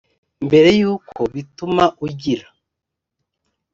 mbere y uko bituma ugira